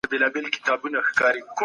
وارداتي توکي د خلکو له توان څخه وتلي دي.